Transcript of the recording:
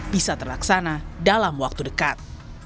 bisa terlaksana dalam waktu dekat